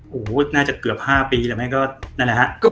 โหน่าจะเกือบ๕ปีไม่เกินนี่แหละ